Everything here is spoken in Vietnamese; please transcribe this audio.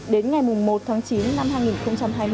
đến ngày một tháng chín năm hai nghìn hai mươi